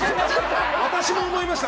私も思いました。